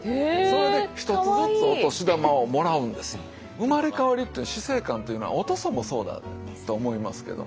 生まれ変わりっていう死生観というのはお屠蘇もそうだと思いますけども。